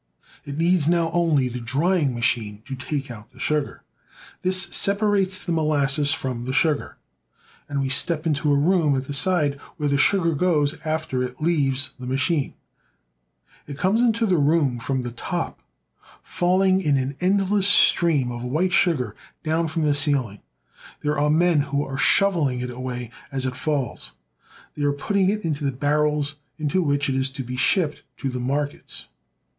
It needs now only the drying machine to take out the sugar; this separates the molasses from the sugar; and we step into a room at the side, where the sugar goes after it leaves the machine. It comes into the room from the top, falling in an end I50 THE SOUTH. less stream of white sugar down from the ceiHng. There are men who are shovehng it away as it falls. They are putting it into the barrels in which it is to be shipped to the markets.